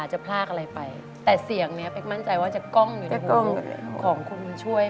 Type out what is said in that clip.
จะพลากอะไรไปแต่เสียงเนี้ยเป๊กมั่นใจว่าจะกล้องอยู่ในวงของคุณบุญช่วย